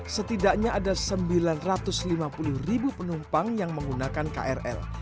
setidaknya ada sembilan ratus lima puluh ribu penumpang yang menggunakan krl